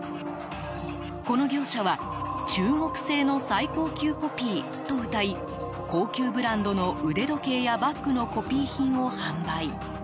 この業者は中国製の最高級コピーとうたい高級ブランドの腕時計やバッグのコピー品を販売。